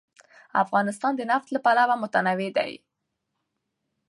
افغانستان د نفت له پلوه متنوع دی.